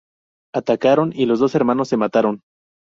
Atacaron y los dos hermanos se mataron.